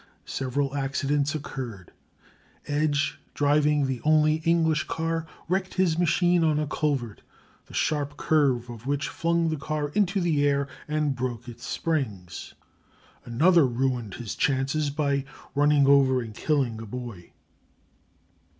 Several accidents occurred. Edge, driving the only English car, wrecked his machine on a culvert, the sharp curve of which flung the car into the air and broke its springs. Another ruined his chances by running over and killing a boy.